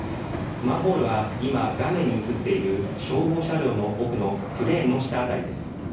マンホールは今、画面に映っている消防車両の奥のクレーンの下辺りです。